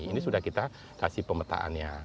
ini sudah kita kasih pemetaannya